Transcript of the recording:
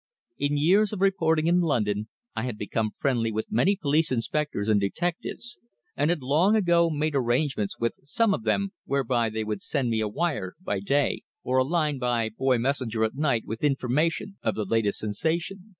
In years of reporting in London I had become friendly with many police inspectors and detectives, and had long ago made arrangements with some of them whereby they would send me a wire by day, or a line by boy messenger at night with information of the latest "sensation."